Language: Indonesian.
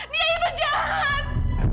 dia itu jahat